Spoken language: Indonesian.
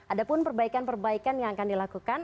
ada pun perbaikan perbaikan yang akan dilakukan